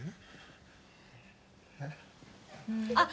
えっ？